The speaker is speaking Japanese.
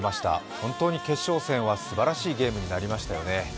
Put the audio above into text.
本当に決勝戦はすばらしいゲームになりましたよね。